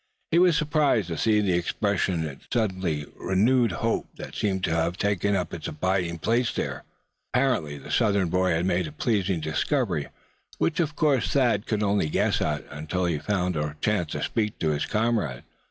He was surprised to see the expression of suddenly renewed hope that seemed to have taken up its abiding place there. Apparently the Southern boy had made a pleasing discovery, which of course Thad could only guess at, until he had found a chance to speak to his comrade.